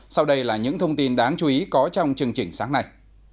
sau đây là những thông tin đáng chú ý có trong chương trình sáng nay